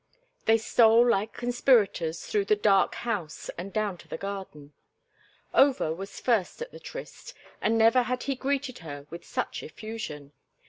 They stole like conspirators through the dark house and down to the garden. Over was first at the tryst, and never had he greeted her with such effusion.